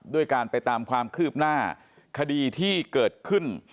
ด้วยการไปตามความคืบหน้าคดีที่เกิดขึ้น